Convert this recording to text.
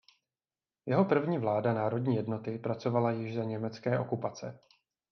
Jeho první vláda národní jednoty pracovala již za německé okupace.